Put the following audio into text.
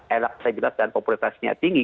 elak dan populitasnya tinggi